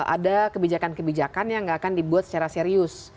ada kebijakan kebijakan yang nggak akan dibuat secara serius